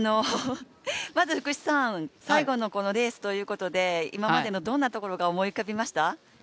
まず、福士さん最後のレースということで今までのどんなところが思い浮かびました？